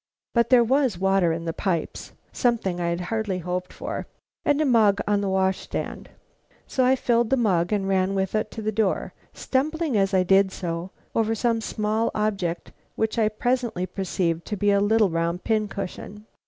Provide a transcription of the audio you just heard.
But there was water in the pipes (something I had hardly hoped for), and a mug on the wash stand; so I filled the mug and ran with it to the door, stumbling, as I did so, over some small object which I presently perceived to be a little round pin cushion.